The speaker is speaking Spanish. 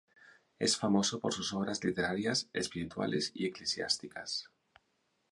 Es famoso por sus obras literarias espirituales y eclesiásticas.